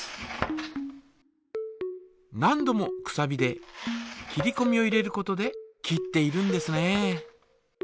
何度もくさびで切りこみを入れることで切っているんですね。